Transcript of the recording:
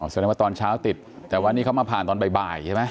แสดงว่าตอนเช้าติดแต่วันนี้เขามาผ่านตอนบ่ายใช่ไหม